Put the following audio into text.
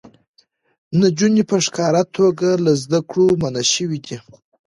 نجونې په ښکاره توګه له زده کړو منع شوې دي.